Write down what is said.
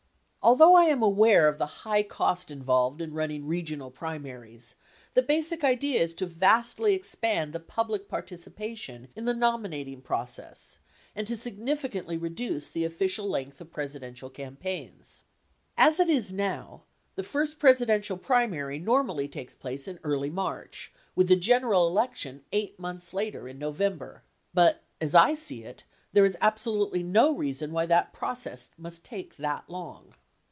Although I am aware of the high cost involved in running regional primaries, the basic idea is to vastly expand the public participation in the nominating process and to significantly reduce the official length of Presidential campaigns. As it is now, the first Presidential primary normally takes place in early March with the general election 8 months later, in November. 1112 But, as I see it, there is absolutely no reason why that process must take that long.